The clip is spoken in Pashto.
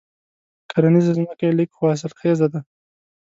کرنيزه ځمکه یې لږه خو حاصل خېزه ده.